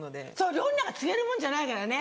料理なんか継げるもんじゃないからね。